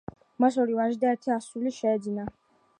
მას ორი ვაჟი და ერთი ასული შეეძინა.